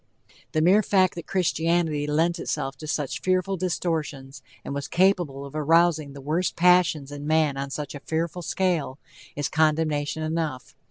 The mere fact that Christianity lent itself to such fearful distortions, and was capable of arousing the worst passions in man on such a fearful scale, is condemnation enough.